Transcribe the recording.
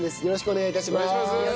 よろしくお願いします。